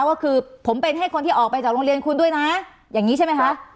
ว่าคือผมเป็นให้คนที่ออกไปจากโรงเรียนคุณด้วยนะอย่างนี้ใช่ไหมคะ